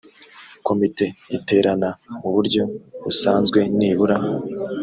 komite iterana mu buryo busanzwe nibura